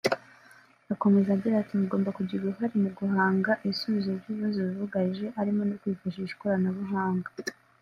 Akomeza agira ati”Mugomba kugira uruhare mu guhanga ibisubizo by’ibibazo bibugarije harimo no kwifashisha ikoranabuhanga “